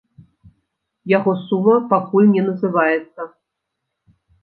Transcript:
Яго сума пакуль не называецца.